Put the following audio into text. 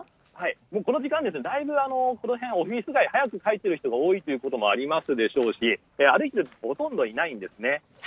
この時間だいぶ、この辺オフィス街早く帰っている人が多いということもありますでしょうし歩いている人はほとんどいないんです。